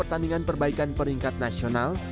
pertandingan perbaikan peringkat nasional